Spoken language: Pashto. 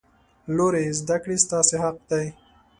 لورې! زده کړې ستاسې حق دی.